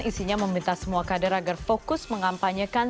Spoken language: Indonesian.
isinya meminta semua kader agar fokus mengampanyekan